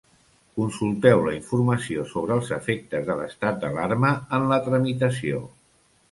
Consulteu la informació sobre els efectes de l'estat d'alarma en la tramitació.